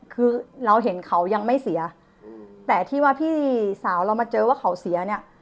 คือเราเห็นเขายังไม่เสียแต่ที่ว่าพี่สาวเรามาเจอว่าเขาเสียเนี่ย